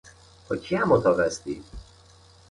با کی هم اتاق هستی؟